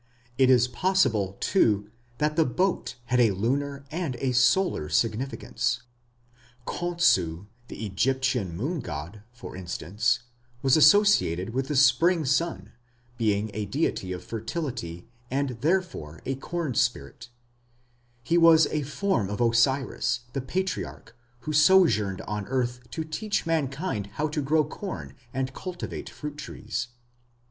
It is possible, too, that the boat had a lunar and a solar significance. Khonsu, the Egyptian moon god, for instance, was associated with the Spring sun, being a deity of fertility and therefore a corn spirit; he was a form of Osiris, the Patriarch, who sojourned on earth to teach mankind how to grow corn and cultivate fruit trees.